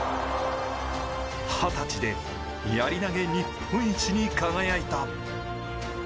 ２０歳でやり投日本一に輝いた。